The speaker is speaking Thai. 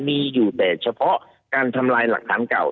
มีอยู่แต่เฉพาะการทำลายหลักฐานเก่า